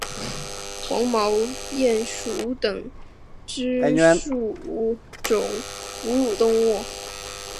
黄毛鼹属等之数种哺乳动物。